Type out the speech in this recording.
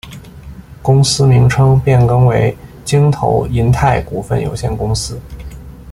公司名称变更为京投银泰股份有限公司。